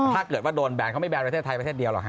ถ้าเกิดว่าโดนแบนเขาไม่แบนประเทศไทยประเทศเดียวหรอกฮ